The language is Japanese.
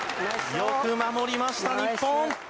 よく守りました、日本。